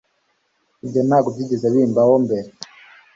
ibyo ntabwo byigeze bimbaho mbere